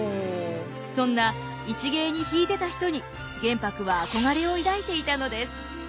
そんな一芸に秀でた人に玄白は憧れを抱いていたのです。